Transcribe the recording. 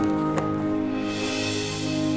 aku masih bercinta sama kamu